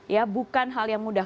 ya bukan hal yang mudah